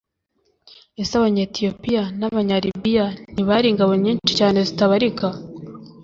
ese abanyetiyopiya a n abanyalibiya b ntibari ingabo nyinshi cyane zitabarika